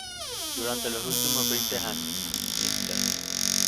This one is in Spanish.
Durante los últimos veinte años, Mr.